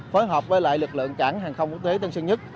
phối hợp với lại lực lượng cảng hàng không quốc tế tân sơn nhất